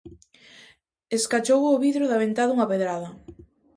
Escachou o vidro da ventá dunha pedrada.